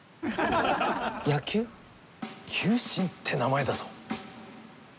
球神って名前だぞ？